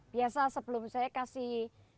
biasa sebelum saya kasih